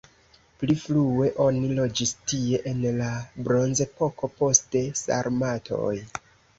Pli frue oni loĝis tie en la bronzepoko, poste sarmatoj.